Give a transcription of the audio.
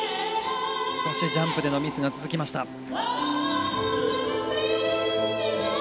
ジャンプでのミスが続きました。